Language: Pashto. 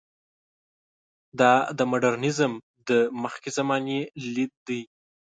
دا د مډرنیزم د مخکې زمانې لید دی.